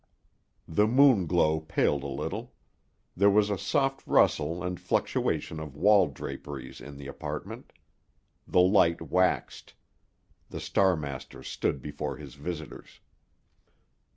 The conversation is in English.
The moon glow paled a little. There was a soft rustle and fluctuation of wall draperies in the apartment. The light waxed. The Star master stood before his visitors.